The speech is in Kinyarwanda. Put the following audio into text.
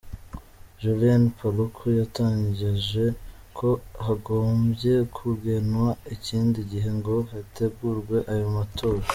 Julien Paluku yatangaje ko hagaombye kugenwa ikindi gihe ngo hategurwe ayo matora.